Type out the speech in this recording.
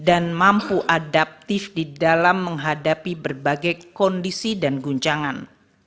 mampu adaptif di dalam menghadapi berbagai kondisi dan guncangan